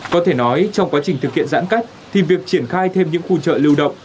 có thể nói trong quá trình thực hiện giãn cách thì việc triển khai thêm những khu chợ lưu động